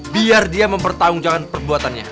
biar dia mempertahankan perbuatannya